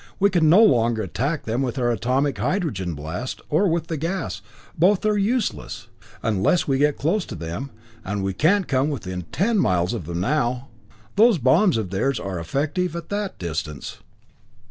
We can no longer attack them with our atomic hydrogen blast, or with the gas both are useless unless we can get close to them, and we can't come within ten miles of them now. Those bombs of theirs are effective at that distance."